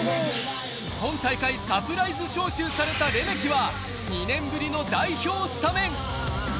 今大会サプライズ招集されたレメキは、２年ぶりの代表スタメン。